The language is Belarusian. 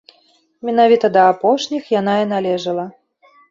Менавіта да апошніх яна і належала.